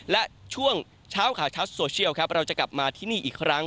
และช่วงเช้าข่าวชัดโซเชียลครับเราจะกลับมาที่นี่อีกครั้ง